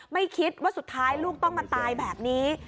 ไม่คิดว่าสุดท้ายลูกต้องมาตายแบบนี้